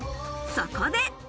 そこで。